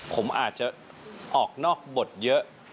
ผมอาจจะออกนอกบทเยอะ